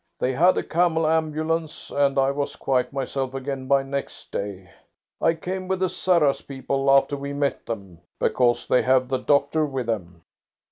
They had a camel ambulance, and I was quite myself again by next day. I came with the Sarras people after we met them, because they have the doctor with them.